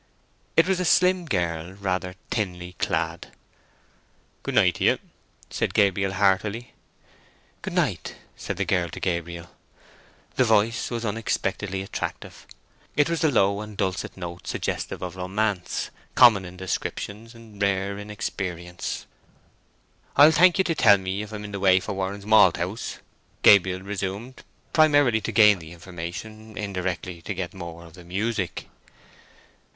It was a slim girl, rather thinly clad. "Good night to you," said Gabriel, heartily. "Good night," said the girl to Gabriel. The voice was unexpectedly attractive; it was the low and dulcet note suggestive of romance; common in descriptions, rare in experience. "I'll thank you to tell me if I'm in the way for Warren's Malthouse?" Gabriel resumed, primarily to gain the information, indirectly to get more of the music.